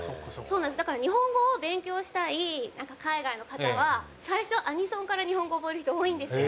だから日本語を勉強したい海外の方は最初、アニソンから日本語覚える人、多いんですよ。